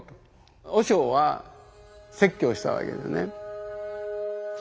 和尚は説教したわけですね。